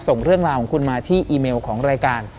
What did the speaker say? ส่งเรื่องราวของคุณมาที่อีเมลของรายการ